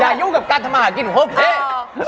อย่ายูกกับกันทำไมคิดถึงพบเพศ